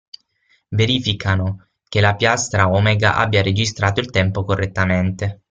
Verificano che la piastra omega abbia registrato il tempo correttamente.